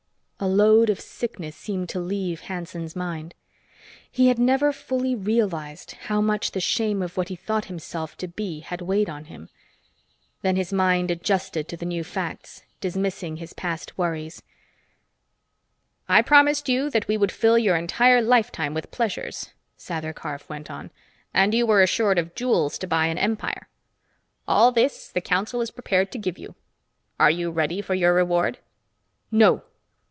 A load of sickness seemed to leave Hanson's mind. He had never fully realized how much the shame of what he thought himself to be had weighed on him. Then his mind adjusted to the new facts, dismissing his past worries. "I promised you that we would fill your entire lifetime with pleasures," Sather Karf went on. "And you were assured of jewels to buy an empire. All this the council is prepared to give you. Are you ready for your reward?" "No!"